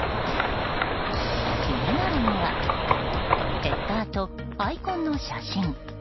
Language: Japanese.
気になるのはヘッダーとアイコンの写真。